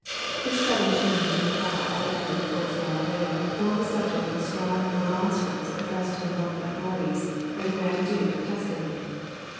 This sudden change in the Papal attitude towards Galileo formed the subject of a strong remonstrance addressed to the Roman authorities by the Grand Duke of Tuscany.